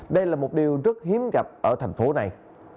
đây là một điều rất hiếm gặp ở thành phố này